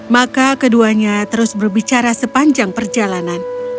maka keduanya terus berbicara sepanjang perjalanan